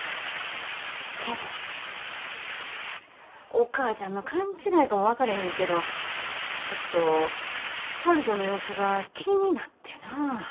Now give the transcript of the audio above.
お母ちゃんの勘違いかも分かれへんけどちょっと悠人の様子が気になってな。